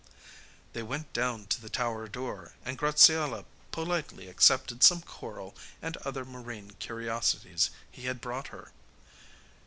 They went down to the tower door, and Graziella politely accepted some coral and other marine curiosities he had brought her.